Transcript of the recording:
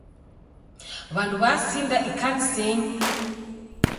W'andu w'asinda ikanisenyi.